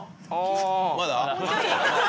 まだ？